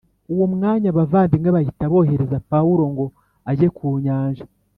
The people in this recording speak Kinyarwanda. Uwo mwanya abavandimwe bahita bohereza Pawulo ngo ajye ku nyanja